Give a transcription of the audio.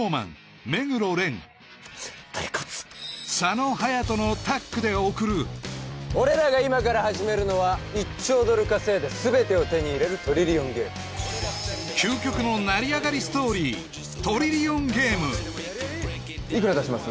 絶対勝つのタッグで贈る俺らが今から始めるのは１兆ドル稼いで全てを手に入れるトリリオンゲーム究極の成り上がりストーリー「トリリオンゲーム」・いくら出します？